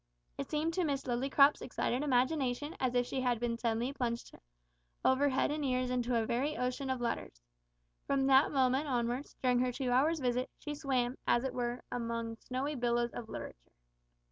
It seemed to Miss Lillycrop's excited imagination as if she had been suddenly plunged over head and ears into a very ocean of letters. From that moment onwards, during her two hours' visit, she swam, as it were, among snowy billows of literature.